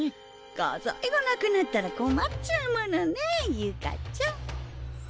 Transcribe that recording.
画材がなくなったら困っちゃうものねユカちゃん。